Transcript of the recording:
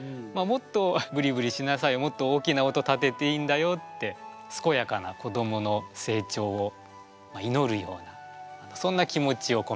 「もっとブリブリしなさいもっと大きな音立てていいんだよ」ってすこやかな子どもの成長をいのるようなそんな気持ちをこめてみました。